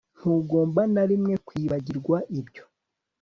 ntugomba na rimwe kwibagirwa ibyo